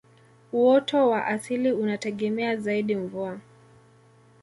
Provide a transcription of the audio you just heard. uoto wa asili unategemea zaidi mvua